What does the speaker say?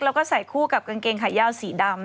แล้วก็ใส่คู่กับกางเกงขายาวสีดำ